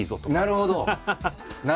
なるほど。